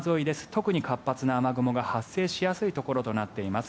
特に活発な雨雲が発生しやすいところとなっています。